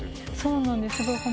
そうなんです。